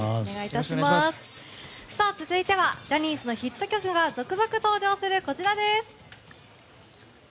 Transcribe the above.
続いてはジャニーズのヒット曲が続々登場する、こちらです。